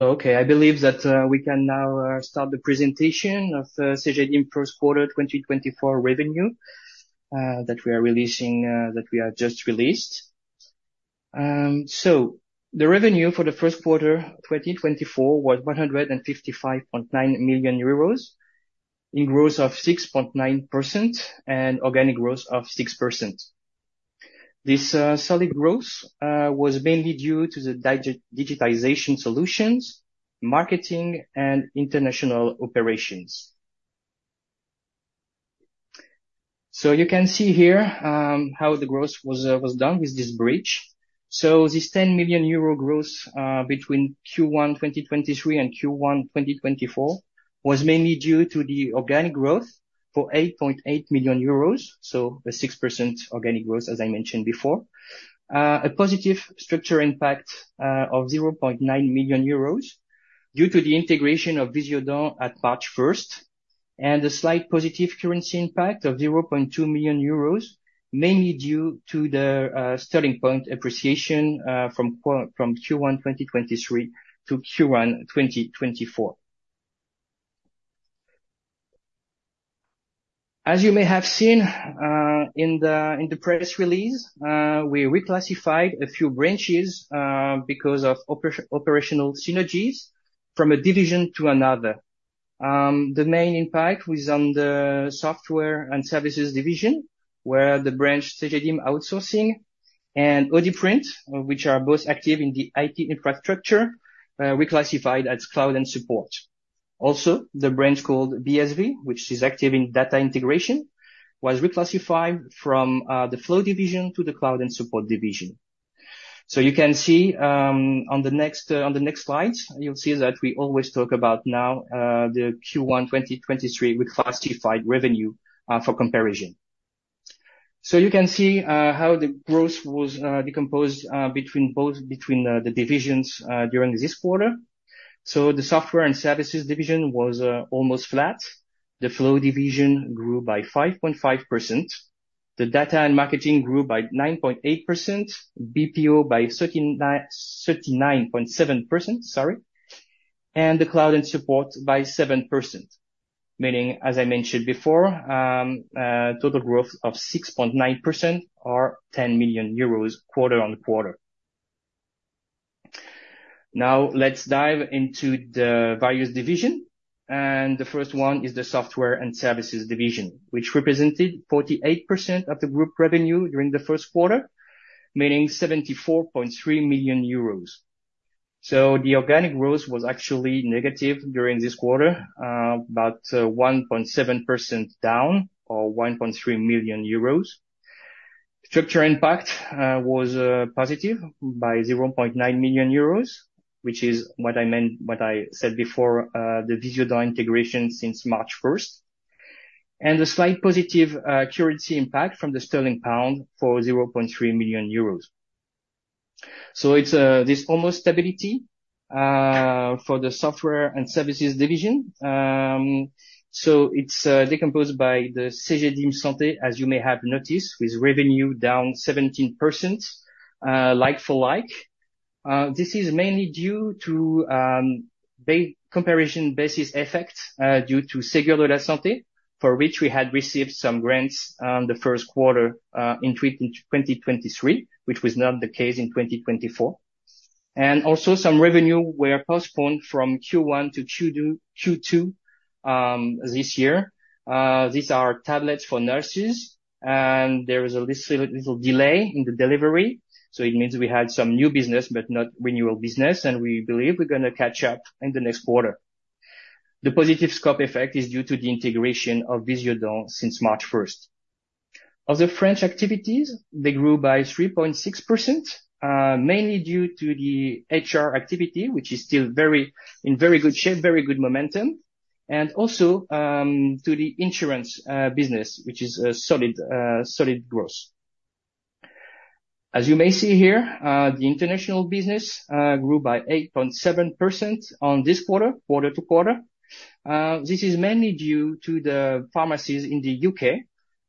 Okay, I believe that we can now start the presentation of Cegedim first quarter 2024 revenue that we are releasing that we have just released. So the revenue for the first quarter 2024 was 155.9 million euros, in growth of 6.9% and organic growth of 6%. This solid growth was mainly due to the digitization solutions, marketing, and international operations. So you can see here how the growth was done with this bridge. So this 10 million euro growth between Q1 2023 and Q1 2024 was mainly due to the organic growth for 8.8 million euros, so a 6% organic growth, as I mentioned before. A positive structure impact of 0.9 million euros due to the integration of Visiodent at March first, and a slight positive currency impact of 0.2 million euros, mainly due to the sterling pound appreciation from Q1 2023 to Q1 2024. As you may have seen in the press release, we reclassified a few branches because of operational synergies from a division to another. The main impact was on the software and services division, where the branch Cegedim Outsourcing and Audiprint, which are both active in the IT infrastructure, reclassified as cloud and support. Also, the branch called BSV, which is active in data integration, was reclassified from the flow division to the cloud and support division. So you can see, on the next slide, you'll see that we always talk about now, the Q1 2023 reclassified revenue, for comparison. So you can see, how the growth was, decomposed between the divisions, during this quarter. So the software and services division was almost flat. The flow division grew by 5.5%. The data and marketing grew by 9.8%, BPO by 39.7%, sorry, and the cloud and support by 7%. Meaning, as I mentioned before, total growth of 6.9% or 10 million euros, quarter-over-quarter. Now, let's dive into the various division, and the first one is the software and services division, which represented 48% of the group revenue during the first quarter, meaning 74.3 million euros. So the organic growth was actually negative during this quarter, about 1.7% down or 1.3 million euros. Structure impact was positive by 0.9 million euros, which is what I meant—what I said before, the Visiodent integration since March first, and a slight positive currency impact from the sterling pound for 0.3 million euros. So it's this almost stability for the software and services division. So it's decomposed by the Cegedim Santé, as you may have noticed, with revenue down 17%, like for like. This is mainly due to comparison basis effect due to Ségur de la Santé, for which we had received some grants on the first quarter in 2023, which was not the case in 2024. Also, some revenue were postponed from Q1 to Q2 this year. These are tablets for nurses, and there is a little, little delay in the delivery, so it means we had some new business, but not renewal business, and we believe we're gonna catch up in the next quarter. The positive scope effect is due to the integration of Visiodent since March 1st. Other French activities, they grew by 3.6%, mainly due to the HR activity, which is still very, in very good shape, very good momentum, and also to the insurance business, which is a solid solid growth. As you may see here, the international business grew by 8.7% on this quarter-to-quarter. This is mainly due to the pharmacies in the UK,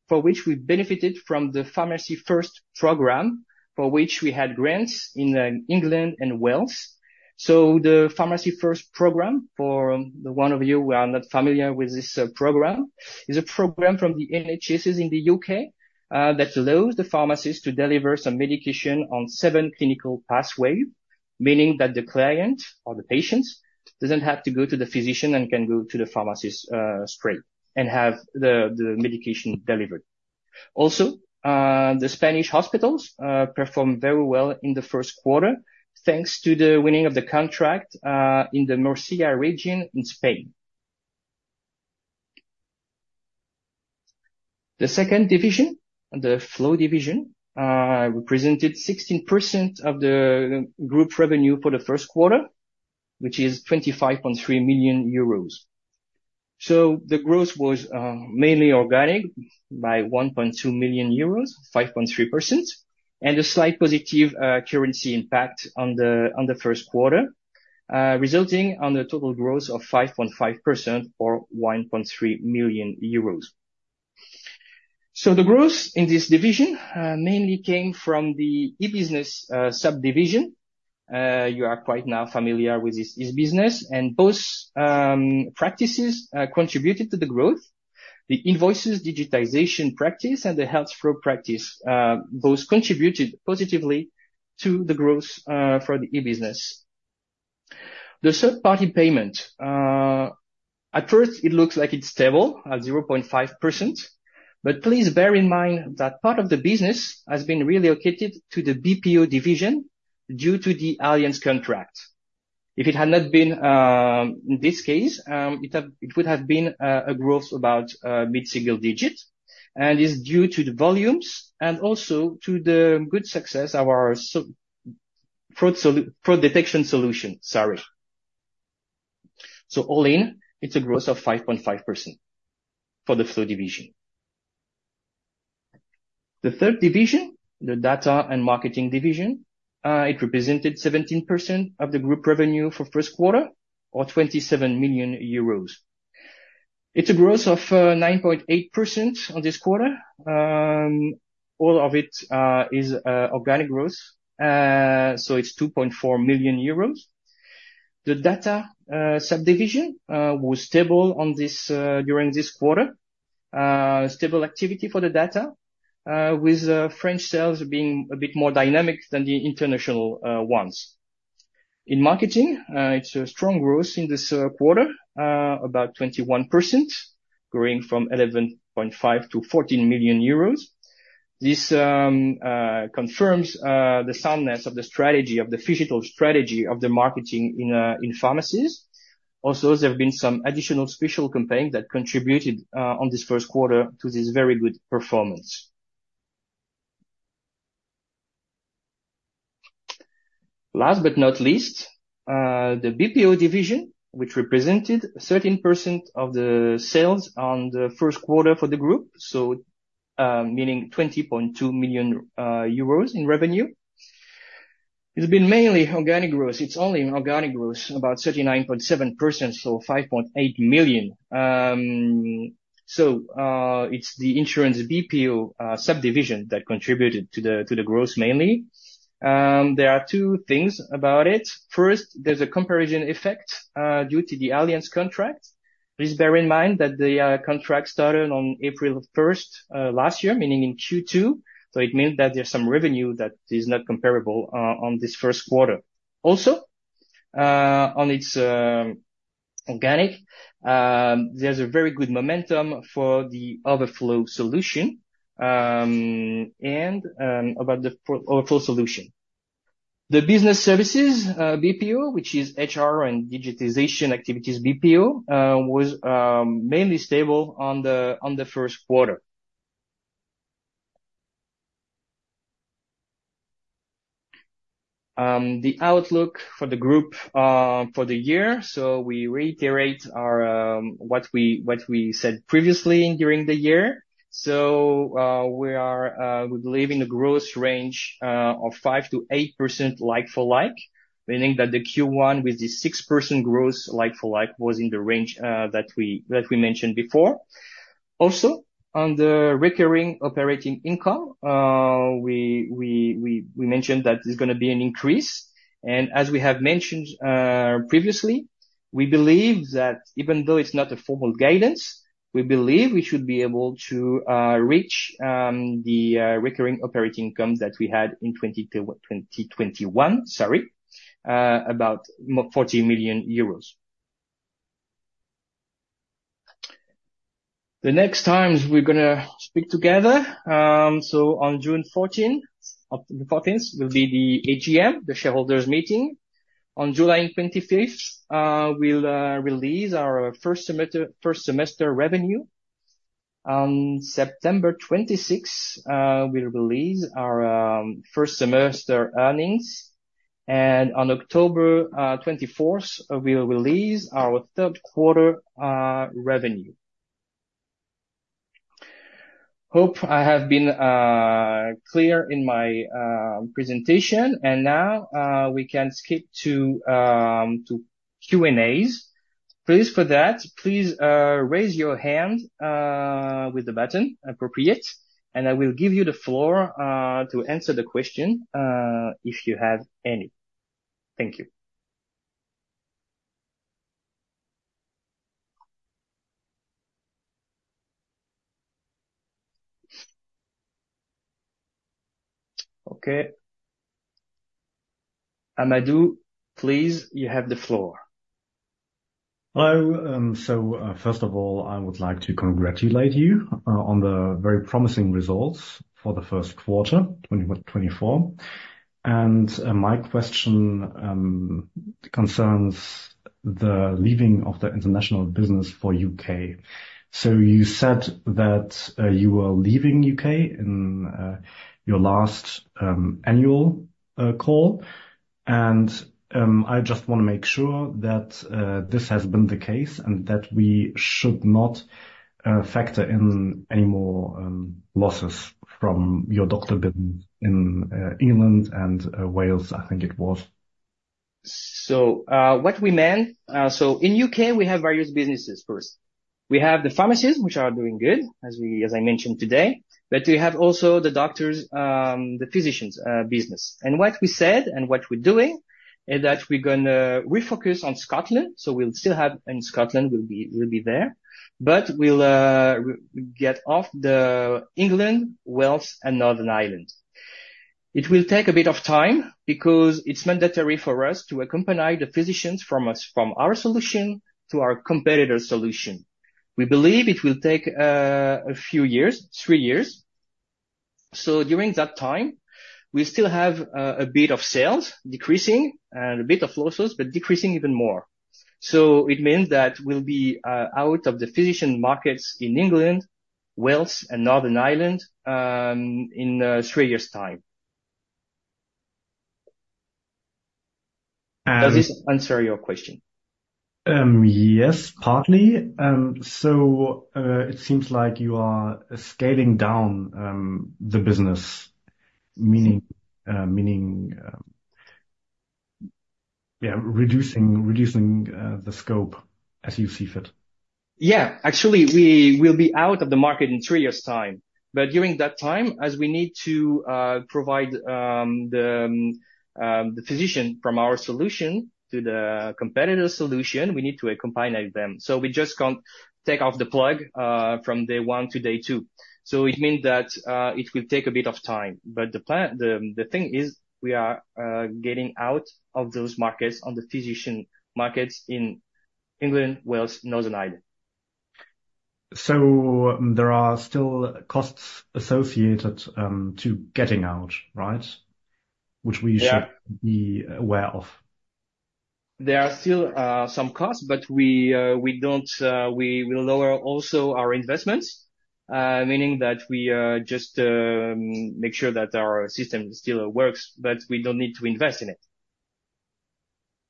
for which we benefited from the Pharmacy First program, for which we had grants in England and Wales. So the Pharmacy First program, for the one of you who are not familiar with this program, is a program from the NHS in the UK, that allows the pharmacies to deliver some medication on seven clinical pathway. Meaning that the client or the patients doesn't have to go to the physician and can go to the pharmacist, straight and have the medication delivered. Also, the Spanish hospitals performed very well in the first quarter, thanks to the winning of the contract in the Murcia region in Spain. The second division, the flow division, represented 16% of the group revenue for the first quarter, which is 25.3 million euros. So the growth was mainly organic by 1.2 million euros, 5.3%, and a slight positive currency impact on the first quarter, resulting on a total growth of 5.5% or 1.3 million euros. So the growth in this division mainly came from the e-business subdivision. You are now quite familiar with this e-business, and both practices contributed to the growth. The invoices digitization practice and the health flow practice both contributed positively to the growth for the e-business. The third-party payment at first it looks like it's stable at 0.5%, but please bear in mind that part of the business has been relocated to the BPO division due to the Allianz contract. If it had not been this case, it would have been a growth about mid-single digit, and it's due to the volumes and also to the good success of our fraud detection solution. Sorry. So all in, it's a growth of 5.5% for the flow division. The third division, the data and marketing division, it represented 17% of the group revenue for first quarter of 27 million euros. It's a growth of 9.8% in this quarter. All of it is organic growth, so it's 2.4 million euros. The data subdivision was stable during this quarter. Stable activity for the data, with French sales being a bit more dynamic than the international ones. In marketing, it's a strong growth in this quarter, about 21%, growing from 11.5 million-14 million euros. This confirms the soundness of the strategy, of the physical strategy of the marketing in pharmacies. Also, there have been some additional special campaigns that contributed on this first quarter to this very good performance. Last but not least, the BPO division, which represented 13% of the sales on the first quarter for the group. So, meaning 20.2 million euros in revenue. It's been mainly organic growth. It's only an organic growth, about 39.7%, so 5.8 million. So, it's the insurance BPO subdivision that contributed to the growth mainly. There are two things about it. First, there's a comparison effect due to the Allianz contract. Please bear in mind that the contract started on April 1st last year, meaning in Q2. So it means that there's some revenue that is not comparable on this first quarter. Also, on its organic, there's a very good momentum for the overflow solution. And about the pro-overflow solution. The business services, BPO, which is HR and digitization activities BPO, was mainly stable on the first quarter. The outlook for the group, for the year, so we reiterate our what we said previously during the year. So, we believe in a growth range of 5%-8%, like for like. Meaning that the Q1 with the 6% growth, like for like, was in the range that we mentioned before. Also, on the recurring operating income, we mentioned that there's gonna be an increase, and as we have mentioned previously, we believe that even though it's not a formal guidance, we believe we should be able to reach the recurring operating incomes that we had in 2022... 2021, sorry. About EUR 40 million. The next times we're gonna speak together, so on June 14th, on the 14th, will be the AGM, the shareholders meeting. On July 25th, we'll release our first semester revenue. On September 26, we'll release our first semester earnings. And on October 24th, we'll release our third quarter revenue. Hope I have been clear in my presentation. And now, we can skip to Q&As. Please, for that, please, raise your hand with the button appropriate, and I will give you the floor to answer the question if you have any. Thank you. Okay. Amadou, please, you have the floor. Hello, so, first of all, I would like to congratulate you on the very promising results for the first quarter, 2024. My question concerns the leaving of the international business for U.K. You said that you were leaving U.K. in your last annual call, and I just wanna make sure that this has been the case and that we should not factor in any more losses from your doctor business in England and Wales, I think it was.... So, what we meant, so in U.K., we have various businesses first. We have the pharmacies, which are doing good, as we, as I mentioned today, but we have also the doctors, the physicians, business. And what we said and what we're doing, is that we're gonna refocus on Scotland. So we'll still have... In Scotland, we'll be, we'll be there, but we'll, we'll get off the England, Wales, and Northern Ireland. It will take a bit of time because it's mandatory for us to accompany the physicians from us, from our solution to our competitor solution. We believe it will take, a few years, three years. So during that time, we still have, a bit of sales decreasing and a bit of losses, but decreasing even more. It means that we'll be out of the physician markets in England, Wales, and Northern Ireland in three years' time. And- Does this answer your question? Yes, partly. So, it seems like you are scaling down the business, meaning, yeah, reducing the scope as you see fit. Yeah. Actually, we will be out of the market in three years' time. But during that time, as we need to provide the physician from our solution to the competitor solution, we need to accompany them. So we just can't take off the plug from day one to day two. So it means that it will take a bit of time. But the plan, the thing is, we are getting out of those markets, on the physician markets in England, Wales, Northern Ireland. There are still costs associated to getting out, right? Yeah. Which we should be aware of. There are still some costs, but we will lower also our investments, meaning that we just make sure that our system still works, but we don't need to invest in it.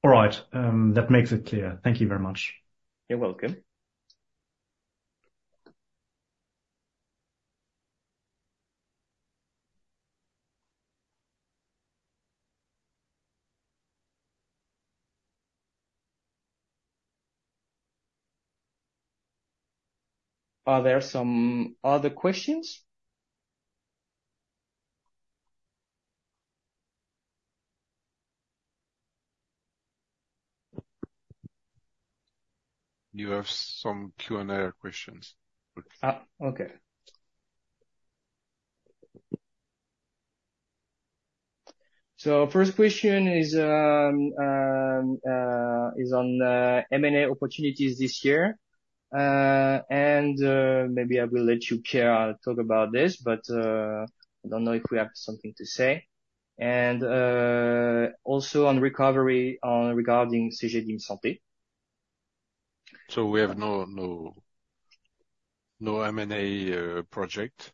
All right. That makes it clear. Thank you very much. You're welcome. Are there some other questions? You have some Q&A questions. Ah, okay. So first question is on M&A opportunities this year. Maybe I will let you, Pierre, talk about this, but I don't know if you have something to say. Also on recovery regarding Cegedim Santé. We have no, no, no M&A project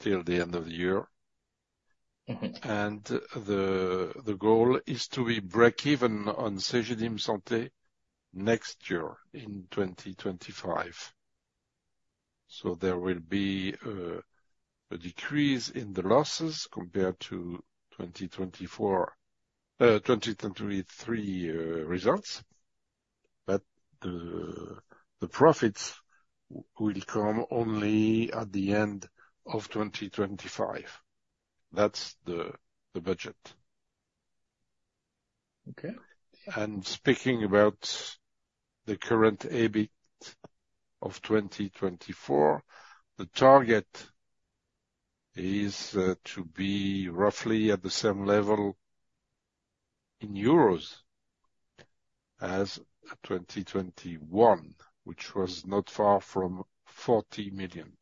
till the end of the year. Mm-hmm. And the goal is to be breakeven on Cegedim Santé next year, in 2025. So there will be a decrease in the losses compared to 2024, 2023 results, but the profits will come only at the end of 2025. That's the budget. Okay. Speaking about the current EBIT of 2024, the target is to be roughly at the same level in euros as 2021, which was not far from 40 million.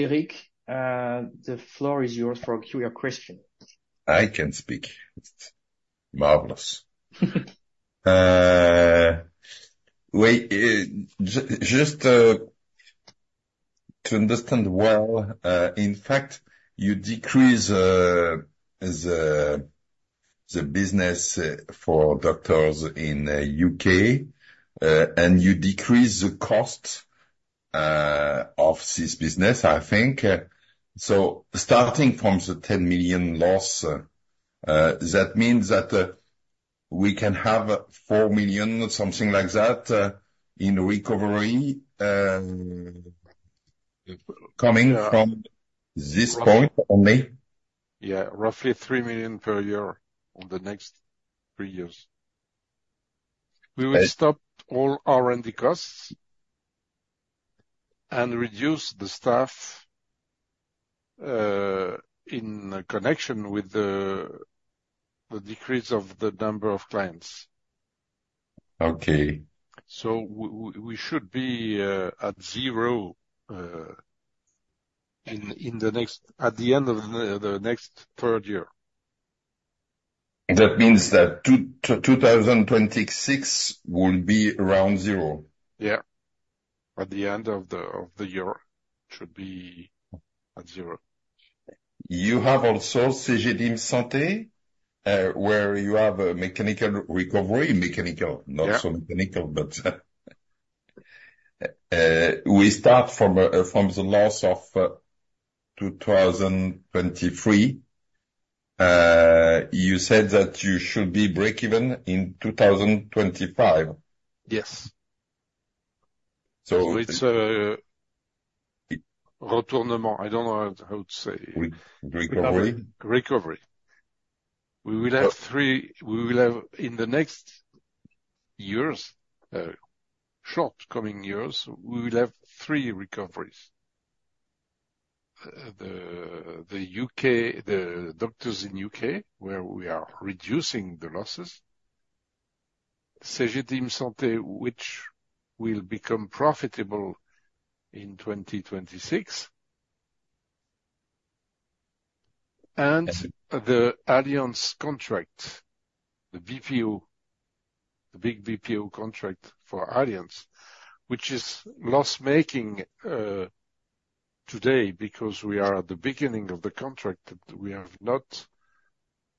Eric, the floor is yours for a clear question. I can speak. Marvelous. Wait, just to understand well, in fact, you decrease the business for doctors in U.K., and you decrease the cost of this business, I think. So starting from the 10 million loss, that means that we can have 4 million, something like that, in recovery, coming from this point only? Yeah, roughly 3 million per year on the next 3 years. Okay. We will stop all R&D costs and reduce the staff in connection with the decrease of the number of clients. Okay. We should be at zero at the end of the next third year. That means that 2026 will be around zero? Yeah. At the end of the year, should be at zero. You have also Cegedim Santé?... where you have a mechanical recovery, mechanical- Yeah. -Not so mechanical, but we start from the loss of 2023. You said that you should be breakeven in 2025? Yes. So- It's, I don't know how to say. Re-recovery? Recovery. We will have three recoveries in the forthcoming years. The U.K., the doctors in the U.K., where we are reducing the losses. Cegedim Santé, which will become profitable in 2026. And the Allianz contract, the BPO, the big BPO contract for Allianz, which is loss-making today, because we are at the beginning of the contract, that we have not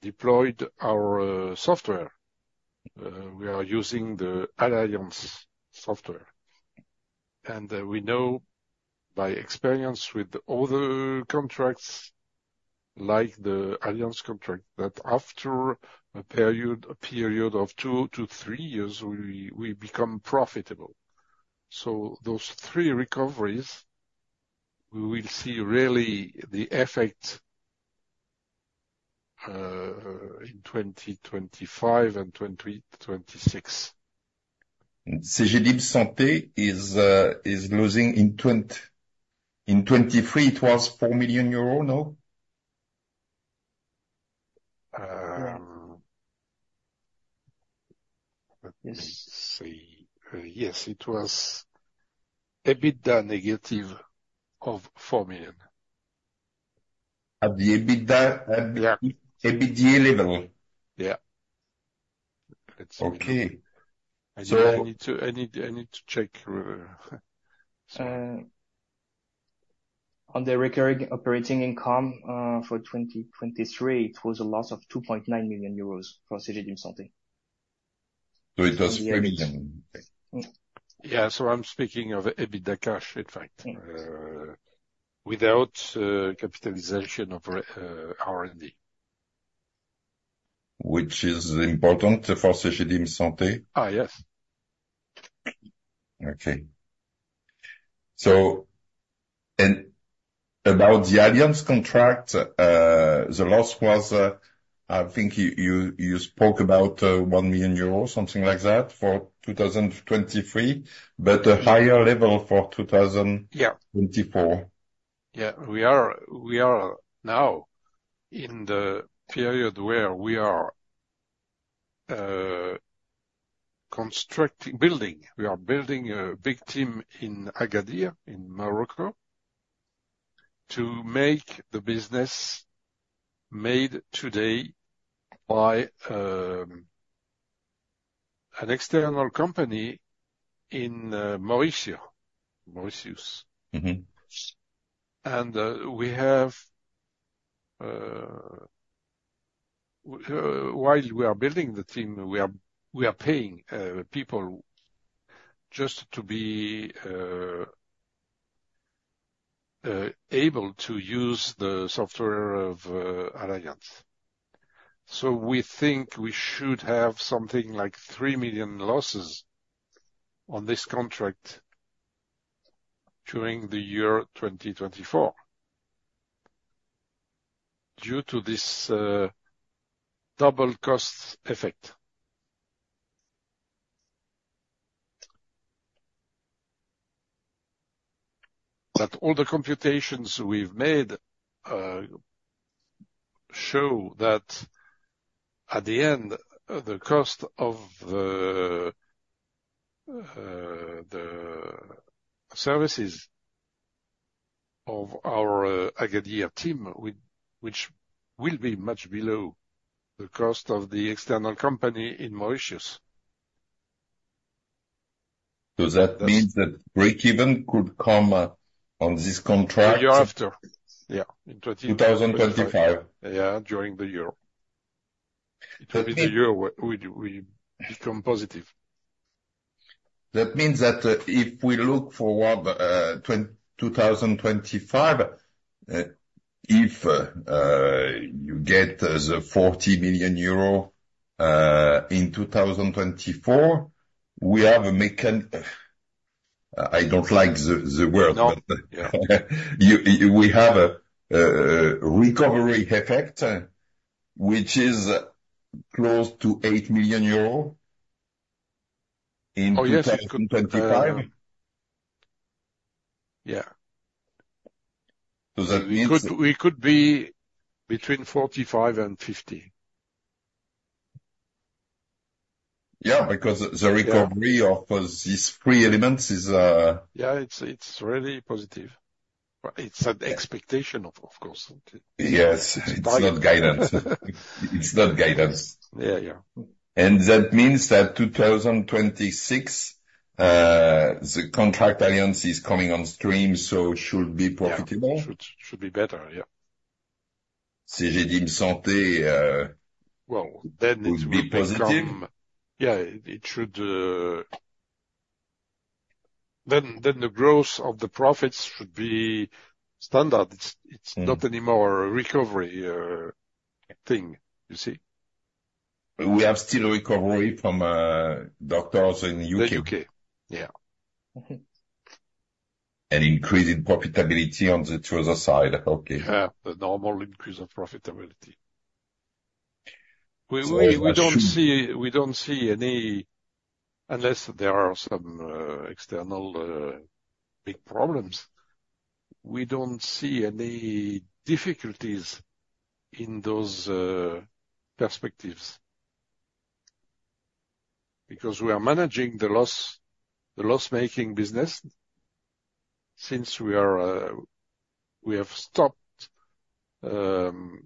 deployed our software. We are using the Allianz software. And we know by experience with other contracts, like the Allianz contract, that after a period of two to three years, we become profitable. So those three recoveries, we will see really the effect in 2025 and 2026. Cegedim Santé is losing in 2023, it was 4 million euros, no? Let me see. Yes, it was EBITDA negative of 4 million. At the EBITDA- Yeah. EBID level? Yeah. It's- Okay. So- I think I need to check. On the recurring operating income for 2023, it was a loss of 2.9 million euros for Cegedim Santé. So it was 3 million? Yeah. So I'm speaking of EBITDA cash, in fact- Yeah. without capitalization of R&D. Which is important for Cegedim Santé? Ah, yes. Okay. So about the Allianz contract, the loss was, I think you spoke about 1 million euros, something like that, for 2023, but a higher level for two thousand- Yeah. twenty-four. Yeah. We are now in the period where we are constructing, building. We are building a big team in Agadir, in Morocco, to make the business made today by an external company in Mauritius. Mauritius. Mm-hmm. And, while we are building the team, we are paying people just to be able to use the software of Allianz. So we think we should have something like 3 million losses on this contract during the year 2024, due to this double cost effect. But all the computations we've made show that at the end, the cost of the services of our Agadir team, which will be much below the cost of the external company in Mauritius. That means that breakeven could come on this contract- The year after, yeah, in twenty- 2025. Yeah, during the year. It will be the year we become positive. That means that, if we look forward, 2025, if you get the 40 million euro in 2024, we have a mechan... I don't like the word- No. Yeah. We have a recovery effect, which is close to 8 million euro in 2025. Yeah. So that means- We could be between 45 and 50. Yeah, because the recovery- Yeah of these three elements is Yeah, it's really positive. But it's an expectation of course. Yes. It's not guidance. It's not guidance. Yeah. Yeah. That means that 2026, the Allianz contract is coming on stream, so it should be profitable? Yeah, should be better, yeah. ...Cegedim Santé, well, then it will be positive? Yeah, it should, then the growth of the profits should be standard. It's not anymore a recovery thing, you see? We have still recovery from doctors in U.K. The U.K., yeah. Mm-hmm, and increasing profitability on the other side. Okay. Yeah, the normal increase of profitability. We don't see any, unless there are some external big problems, we don't see any difficulties in those perspectives. Because we are managing the loss-making business since we have stopped the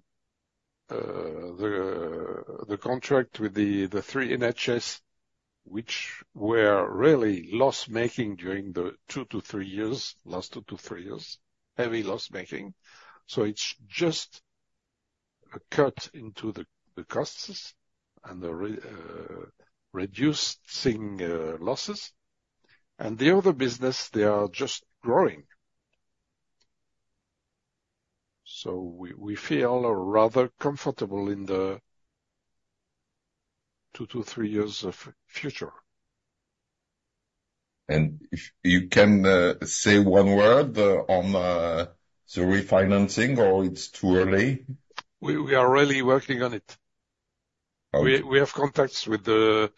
contract with the three NHS, which were really loss-making during the last two to three years, heavy loss-making. So it's just a cut into the costs and reducing losses, and the other business, they are just growing. So we feel rather comfortable in the two to three years of future. If you can, say one word on the refinancing, or it's too early? We are really working on it. Oh. We have contacts with the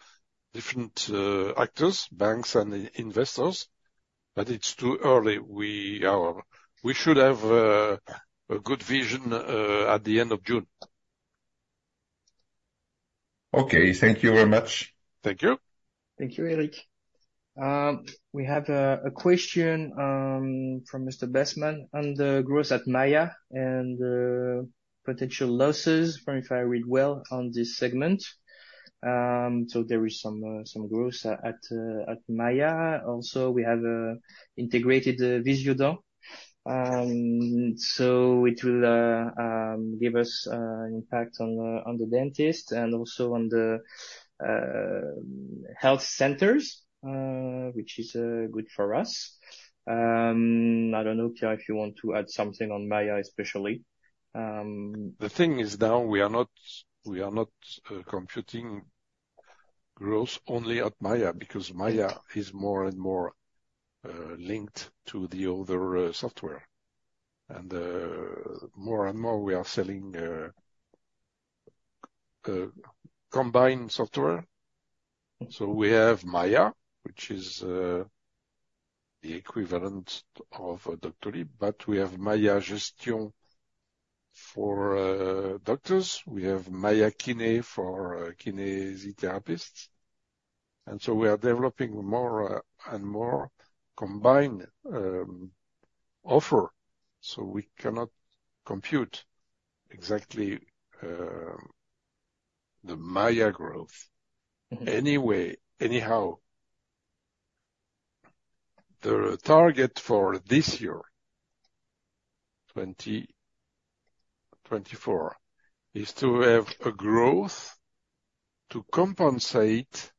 different actors, banks and investors, but it's too early. We should have a good vision at the end of June. Okay, thank you very much. Thank you. Thank you, Eric. We have a question from Mr. [Bessman] on the growth at Maiia and potential losses, if I read well on this segment. So there is some growth at Maiia. Also, we have integrated Visiodent. So it will give us impact on the dentists and also on the health centers, which is good for us. I don't know, Pierre, if you want to add something on Maiia, especially. The thing is, now, we are not computing growth only at Maiia, because Maiia is more and more linked to the other software. And more and more, we are selling combined software. So we have Maiia, which is the equivalent of a Doctolib, but we have Maiia Gestion for doctors. We have Maiia Kiné for kiné therapists, and so we are developing more and more combined offer, so we cannot compute exactly the Maiia growth. Anyway, anyhow, the target for this year, 2024, is to have a growth to compensate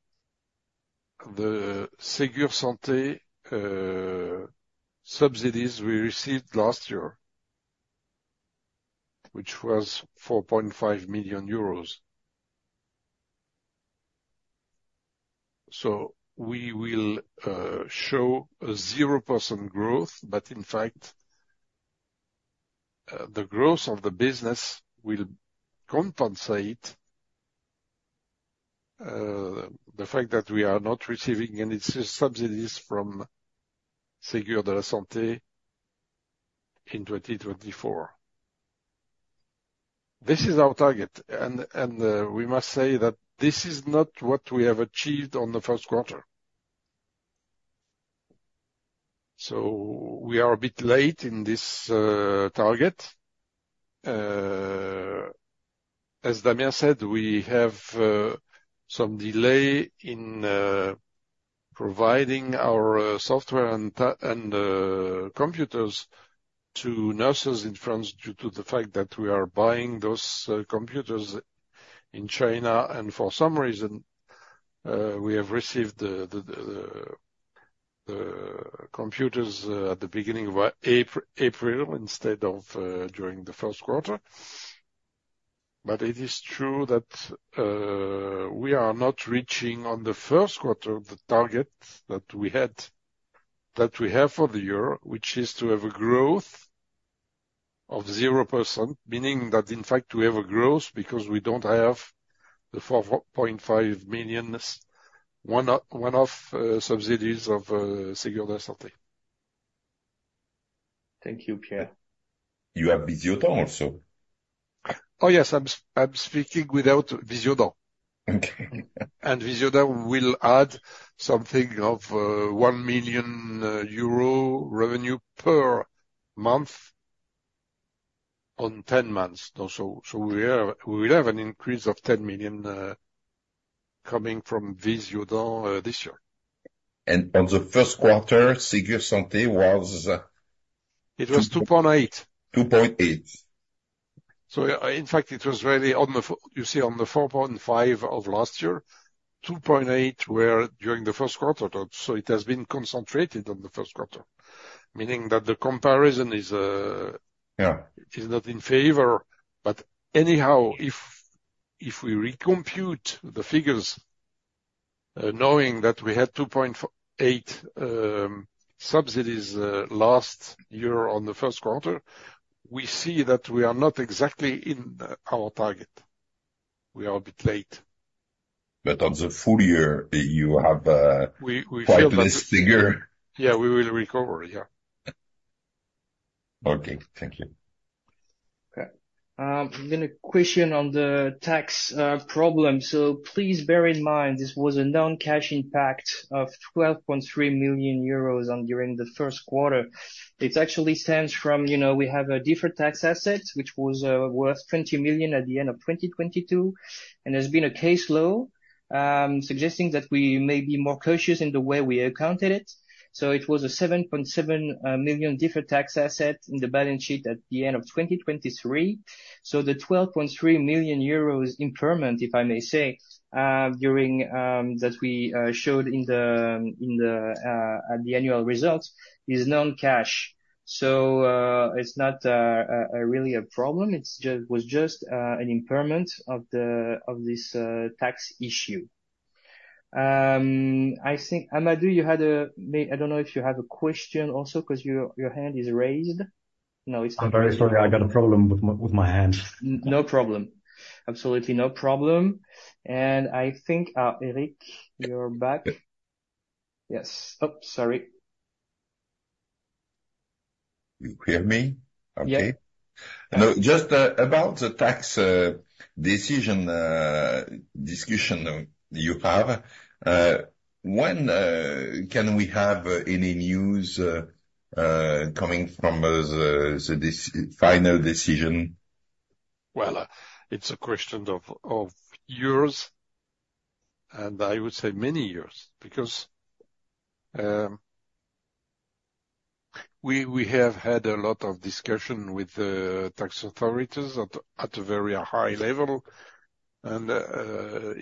the Ségur de la Santé subsidies we received last year, which was EUR 4.5 million. So we will show a 0% growth, but in fact, the growth of the business will compensate the fact that we are not receiving any subsidies from Ségur de la Santé in 2024. This is our target, and we must say that this is not what we have achieved on the first quarter. So we are a bit late in this target. As Damien said, we have some delay in providing our software and computers to nurses in France, due to the fact that we are buying those computers in China, and for some reason, we have received the computers at the beginning of April, instead of during the first quarter. But it is true that we are not reaching on the first quarter, the target that we had, that we have for the year, which is to have a growth of 0%, meaning that, in fact, we have a growth because we don't have the 4.5 million one-off subsidies of Ségur de la Santé. Thank you, Pierre. You have Visiodent also? Oh, yes, I'm speaking without Visiodent. Okay. Visiodent will add something of 1 million euro revenue per month on 10 months or so, so we have, we will have an increase of 10 million coming from Visiodent this year. On the first quarter, Ségur Santé was- It was 2.8 million. 2.8 million. So, in fact, it was really on the, you see, on the 4.5 million of last year, 2.8 million were during the first quarter. So it has been concentrated on the first quarter, meaning that the comparison is, Yeah It is not in favor. But anyhow, if we recompute the figures, knowing that we had 2.8 million subsidies last year on the first quarter, we see that we are not exactly in our target. We are a bit late. But on the full year, you have. We feel that- Quite less figure. Yeah, we will recover, yeah. Okay. Thank you. Okay. Then a question on the tax problem. So please bear in mind, this was a non-cash impact of 12.3 million euros on during the first quarter. It actually stems from, you know, we have a deferred tax asset, which was worth 20 million at the end of 2022, and there's been a case law suggesting that we may be more cautious in the way we accounted it. So it was a 7.7 million deferred tax asset in the balance sheet at the end of 2023. So the 12.3 million euros impairment, if I may say, during that we showed in the, in the, at the annual results, is non-cash. So it's not a really a problem. It was just an impairment of this tax issue. I think, Amadou, you had a may... I don't know if you have a question also, 'cause your hand is raised. No, it's- I'm very sorry. I got a problem with my hand. No problem. Absolutely, no problem. And I think, Eric, you're back. Yes. Oh, sorry. You hear me? Yeah. Okay. No, just about the tax decision discussion you have, when can we have any news coming from the final decision? Well, it's a question of years, and I would say many years, because we have had a lot of discussion with the tax authorities at a very high level. And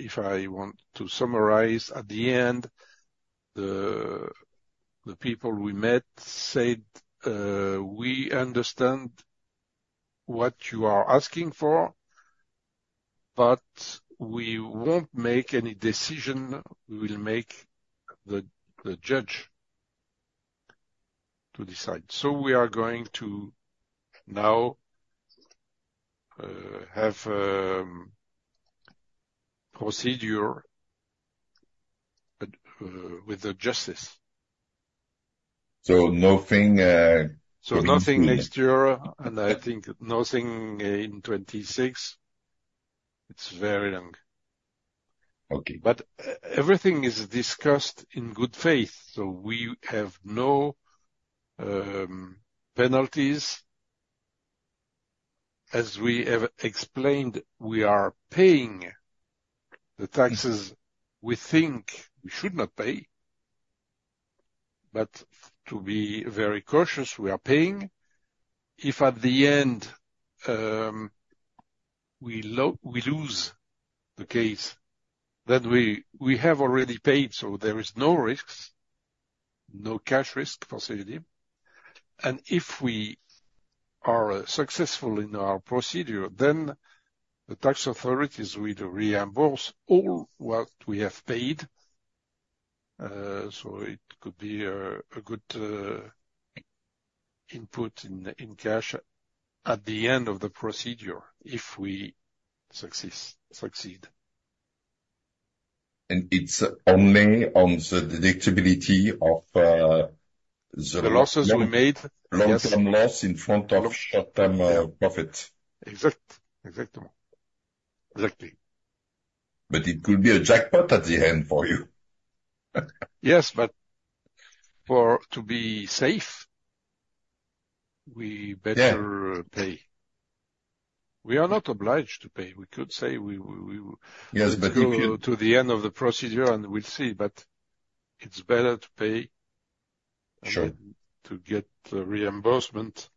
if I want to summarize, at the end, the people we met said, "We understand what you are asking for, but we won't make any decision. We will make the judge to decide." So we are going to now have procedure, but with the justice. So nothing, Nothing next year, and I think nothing in 2026. It's very long. Okay. But everything is discussed in good faith, so we have no penalties. As we have explained, we are paying the taxes we think we should not pay, but to be very cautious, we are paying. If at the end, we lose the case, then we have already paid, so there is no risks, no cash risk for Cegedim. And if we are successful in our procedure, then the tax authorities will reimburse all what we have paid, so it could be a good input in cash at the end of the procedure, if we succeed. It's only on the deductibility of the- The losses we made- Long-term loss in front of short-term profit. Exact. Exactly. Exactly. But it could be a jackpot at the end for you. Yes, but to be safe, we better... Yeah pay. We are not obliged to pay. We could say we Yes, but you can- To go to the end of the procedure and we'll see, but it's better to pay- Sure... and then to get reimbursement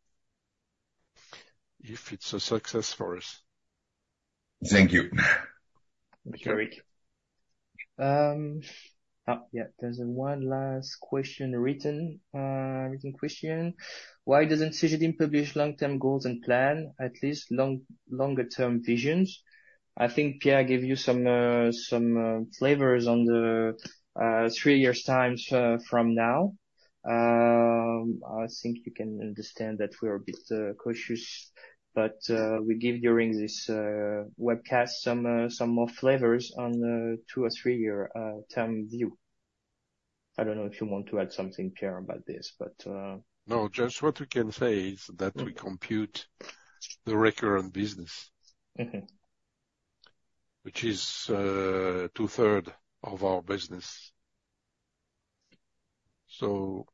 if it's a success for us. Thank you. Thank you, Eric. Oh, yeah, there's one last question written, written question: Why doesn't Cegedim publish long-term goals and plan, at least long, longer term visions? I think Pierre gave you some flavors on the three years times from now. I think you can understand that we are a bit cautious, but we give during this webcast some more flavors on two or three-year term view. I don't know if you want to add something, Pierre, about this, but No, just what we can say is that we compute the recurring business. Mm-hmm. Which is 2/3 of our business. So,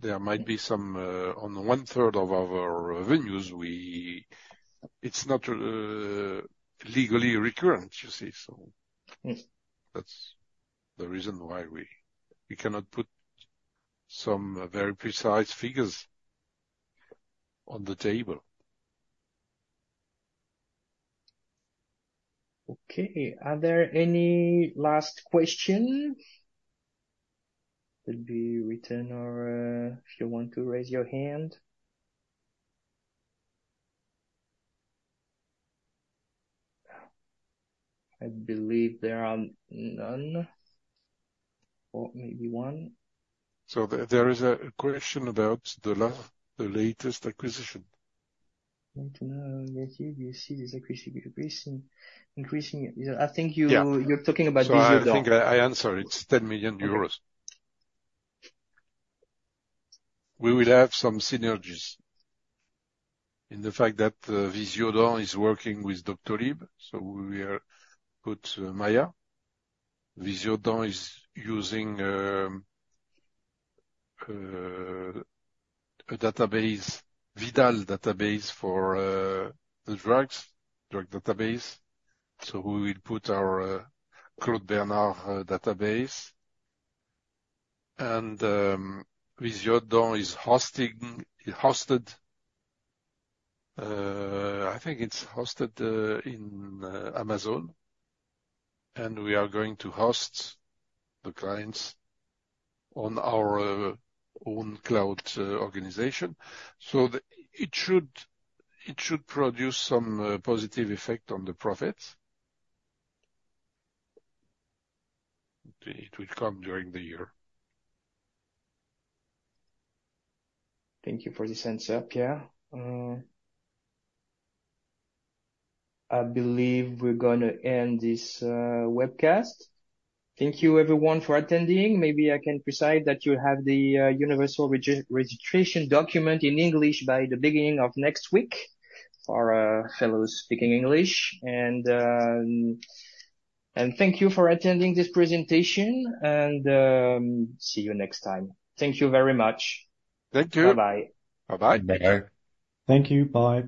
there might be some on 1/3 of our venues, it's not legally recurrent, you see, so- Yes. That's the reason why we, we cannot put some very precise figures on the table. Okay. Are there any last question? It'll be written or, if you want to raise your hand. I believe there are none, or maybe one. There is a question about the latest acquisition. Let me see. Let me see. Is acquisition increasing. I think you- Yeah. You're talking about Visiodent. So I think I answered. It's 10 million euros. We will have some synergies in the fact that Visiodent is working with Doctolib, so we will put Maiia. Visiodent is using a Vidal database for the drugs, drug database, so we will put our Claude Bernard database. And Visiodent is hosted, I think it's hosted in Amazon, and we are going to host the clients on our own cloud organization. So it should produce some positive effect on the profits. It will come during the year. Thank you for this answer, Pierre. I believe we're gonna end this webcast. Thank you, everyone, for attending. Maybe I can specify that you have the universal registration document in English by the beginning of next week, for our fellows speaking English. And, and thank you for attending this presentation, and see you next time. Thank you very much. Thank you. Bye-bye. Bye-bye. Bye-bye. Thank you. Bye.